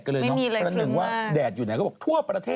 กระแดะมาโอเค